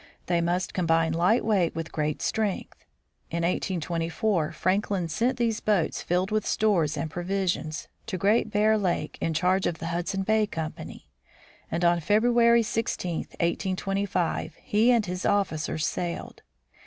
They must combine light weight with great strength. In 1824 Franklin sent these boats, filled with stores and provisions, to Great Bear lake in charge of the Hudson Bay Company; and on February 16, 1825, he and his officers sailed.